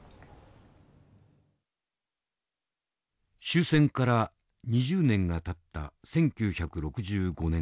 終戦から２０年がたった１９６５年。